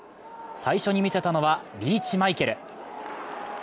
最初に見せたのはリーチマイケル。